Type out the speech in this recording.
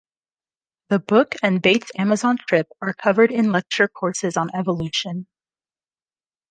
The book and Bates' Amazon trip are covered in lecture courses on evolution.